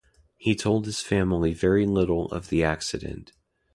He told his family very little of the accident.